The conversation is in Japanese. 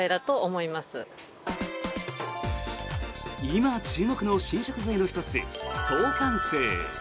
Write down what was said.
今、注目の新食材の１つトーカンスー。